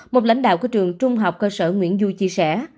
một lãnh đạo của trường trung học cơ sở nguyễn du chia sẻ